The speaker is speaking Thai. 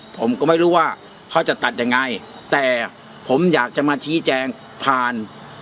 ผมก็ไม่รู้ว่าเขาจะตัดยังไงแต่ผมอยากจะมาชี้แจงผ่าน